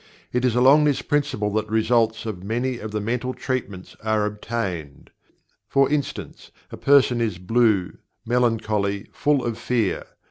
It is along this principle that the results of many of the "mental treatments" are obtained. For instance, a person is "blue," melancholy and full of fear.